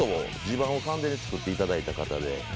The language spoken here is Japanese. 地盤を完全に作っていただいた方。